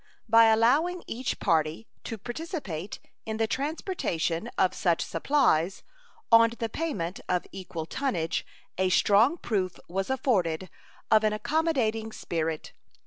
By allowing each party to participate in the transportation of such supplies on the payment of equal tonnage a strong proof was afforded of an accommodating spirit.